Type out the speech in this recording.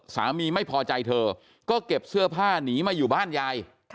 สามีไม่พอใจเธอก็เก็บเสื้อผ้าหนีมาอยู่บ้านยาย